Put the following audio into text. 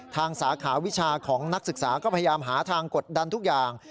สาขาวิชาของนักศึกษาก็พยายามหาทางกดดันทุกอย่าง